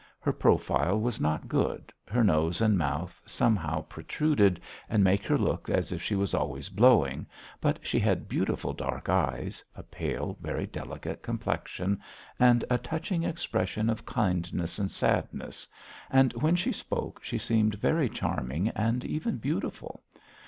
Her profile was not good, her nose and mouth somehow protruded and made her look as if she was always blowing, but she had beautiful, dark eyes, a pale, very delicate complexion, and a touching expression of kindness and sadness, and when she spoke she seemed very charming and even beautiful.